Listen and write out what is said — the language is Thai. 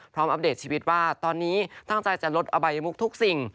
อัปเดตชีวิตว่าตอนนี้ตั้งใจจะลดอบายมุกทุกสิ่ง